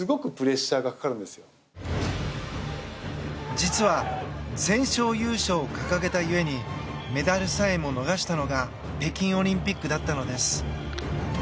実は全勝優勝を掲げたゆえにメダルさえも逃したのが北京オリンピックだったのです。